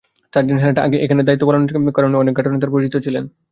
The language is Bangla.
সার্জেন্ট হেলাল আগে এখানে দায়িত্ব পালনের কারণে ঘাটের অনেকেই তাঁর পরিচিত ছিলেন।